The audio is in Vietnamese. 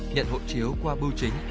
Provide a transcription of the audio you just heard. nhận hộ chiếu qua bưu chính